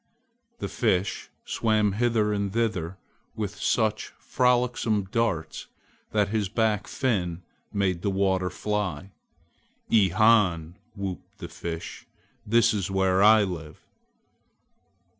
The Fish swam hither and thither with such frolicsome darts that his back fin made the water fly. "E han!" whooped the Fish, "this is where I live!"